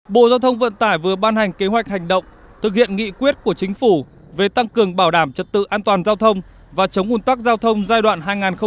bộ giao thông vận tải vừa ban hành kế hoạch hành động thực hiện nghị quyết của chính phủ về tăng cường bảo đảm trật tự an toàn giao thông và chống ủn tắc giao thông giai đoạn hai nghìn một mươi sáu hai nghìn hai mươi